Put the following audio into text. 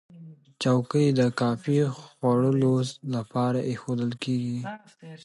چوکۍ د کافي خوړلو لپاره ایښودل کېږي.